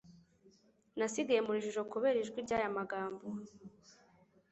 Nasigaye mu rujijo kubera ijwi ry'aya magambo